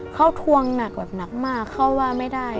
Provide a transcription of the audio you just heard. เขาทวงหนักแบบหนักมากเขาว่าไม่ได้